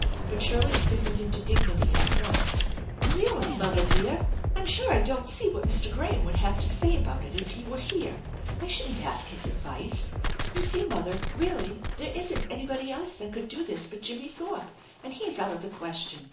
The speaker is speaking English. But Shirley stiffened into dignity at once. "Keally, mother dear, I'm sure I don't see what Mr, Graham would have to say about it if he were here. I shouldn't ask his advice. You see, mother, realty, there isn't anybody else that could do this but Jimmie Thorpe, and he's out of the question.